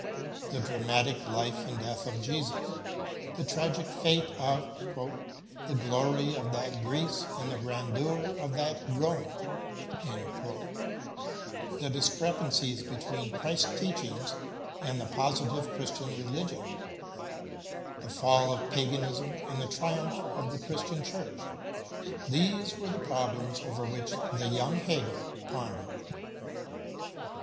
The dramatic life and death of Jesus, the tragic fate of "the glory that was Greece and the grandeur that was Rome," the discrepancies between Christ's teachings and the positive Christian religion, the fall of paganism and the triumph of the Christian Church — these were the problems over which the young Hegel pon dered.